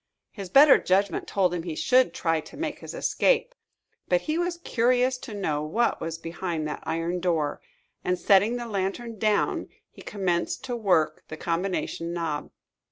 His better judgment told him he should try to make his escape. But he was curious to know what was behind that iron door; and, setting the lantern down, he commenced to work the combination knob.